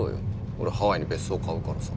俺ハワイに別荘買うからさ。